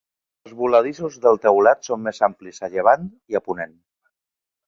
Els voladissos del teulat són més amplis a llevant i a ponent.